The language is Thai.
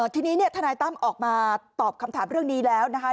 ทีนี้ทนายตั้มออกมาตอบคำถามเรื่องนี้แล้วนะคะ